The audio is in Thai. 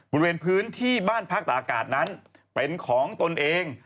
บริเวณพื้นที่บ้านพักตาอากาศนั้นเป็นของตนเอง